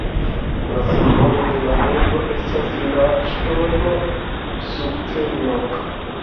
La simbolo de la urbo estas la ŝtono sukceno.